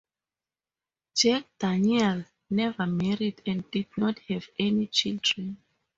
Jack Daniel never married and did not have any children.